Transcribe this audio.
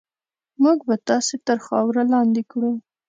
موږ به تاسې تر خاورو لاندې کړو.